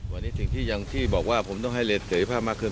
วันนี้สิ่งที่อย่างที่บอกว่าผมต้องให้เรียนเสร็จภาพมากขึ้น